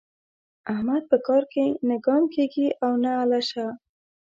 احمد په کار کې نه ګام کېږي او نه الشه.